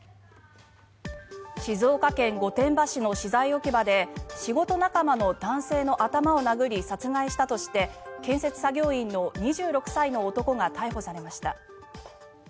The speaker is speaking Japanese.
静岡県御殿場市の資材置き場で仕事仲間の男性の頭を殴り殺害したとして建設作業員の２６歳の男が逮捕されました。